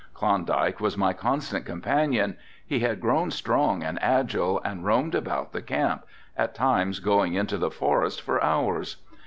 Klondike was my constant companion, he had grown strong and agile and roamed about the camp, at times going into the forest for hours.